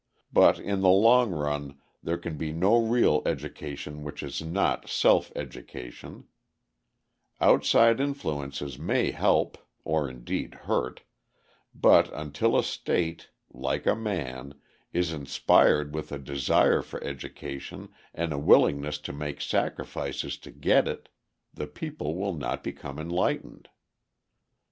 But in the long run there can be no real education which is not self education; outside influences may help (or indeed hurt), but until a state like a man is inspired with a desire for education and a willingness to make sacrifices to get it, the people will not become enlightened.